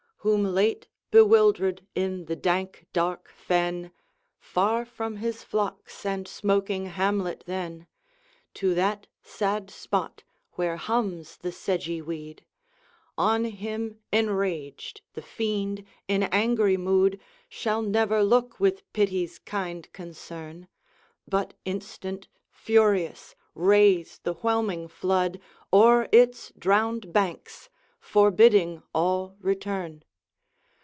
Whom, late bewildered in the dank, dark fen, Far from his flocks and smoking hamlet then, To that sad spot [where hums the sedgy weed:] On him, enraged, the fiend, in angry mood, Shall never look with Pity's kind concern, But instant, furious, raise the whelming flood O'er its drowned bank, forbidding all return.